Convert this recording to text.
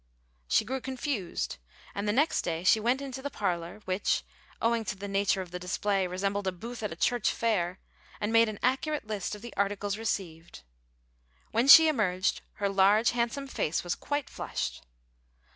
She grew confused, and the next day she went into the parlor, which, owing to the nature of the display, resembled a booth at a church fair, and made an accurate list of the articles received. When she emerged, her large, handsome face was quite flushed.